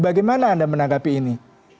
bagaimana anda menanggapi ini